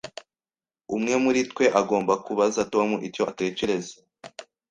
Umwe muri twe agomba kubaza Tom icyo atekereza